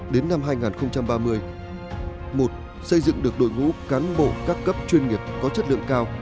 đến năm hai nghìn ba mươi một xây dựng được đội ngũ cán bộ các cấp chuyên nghiệp có chất lượng cao